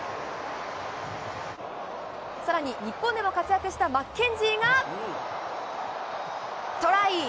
さらに日本でも活躍したマッケンジーが、トライ！